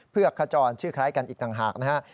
เพื่อขจรชื่อคล้ายกันอีกต่างหากนะฮะ